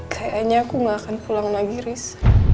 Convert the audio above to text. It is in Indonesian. kayaknya aku gak akan pulang lagi ris